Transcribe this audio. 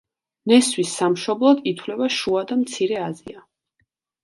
ნესვის სამშობლოდ ითვლება შუა და მცირე აზია.